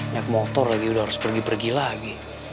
naik motor lagi udah harus pergi pergi lagi